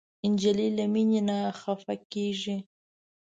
نجلۍ له مینې نه خفه کېږي.